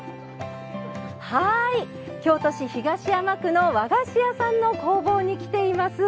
京都市東山区の和菓子屋さんの工房に来ています。